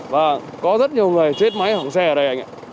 và có rất nhiều người chết máy hỏng xe ở đây anh ạ